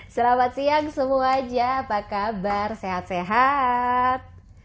selamat siang semuanya apa kabar sehat sehat